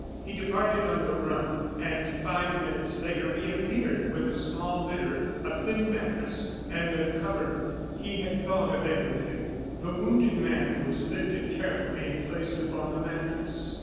He departed on the run, and five minutes later reappeared with a small litter, a thin mattress, and a coverlid. He had thought of everything. The wounded man was lifted carefully and placed upon the mattress.